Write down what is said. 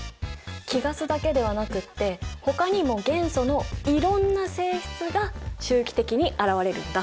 貴ガスだけではなくってほかにも元素のいろんな性質が周期的に現れるんだ。